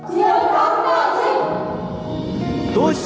chiến thắng đại dịch